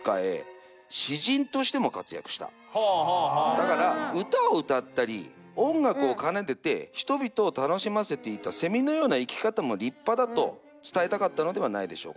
だから歌を歌ったり音楽を奏でて人々を楽しませていたセミのような生き方も立派だと伝えたかったのではないでしょうか。